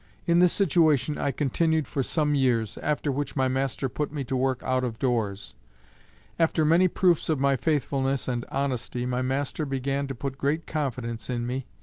In this situation I continued for some years, after which my master put me to work out of doors. After many proofs of my faithfulness and honesty, my master began to put great confidence in me.